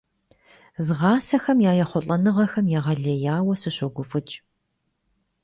Згъасэхэм я ехъулӀэныгъэхэм егъэлеяуэ сыщогуфӀыкӀ.